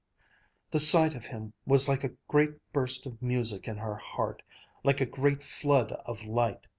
The sight of him was like a great burst of music in her heart, like a great flood of light.